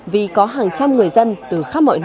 vì có hàng trăm người dân từ khắp mọi nơi